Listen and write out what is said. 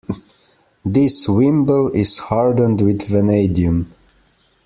This wimble is hardened with vanadium.